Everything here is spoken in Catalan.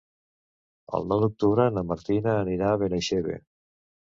El nou d'octubre na Martina anirà a Benaixeve.